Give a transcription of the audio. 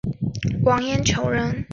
王晏球人。